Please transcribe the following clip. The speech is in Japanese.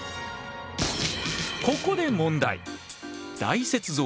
ここで問題！